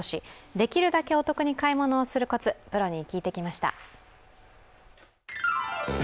できるだけお得に買い物をするコツ、プロに聞いてきました。